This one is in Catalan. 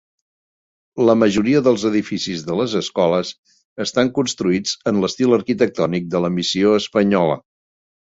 La majoria dels edificis de les escoles estan construïts en l'estil arquitectònic de la missió espanyola.